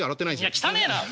汚えな！